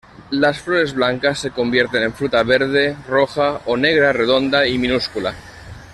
Las flores blancas se convierten en fruta verde, roja o negra redonda y minúscula.